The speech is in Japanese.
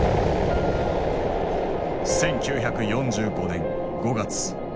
１９４５年５月。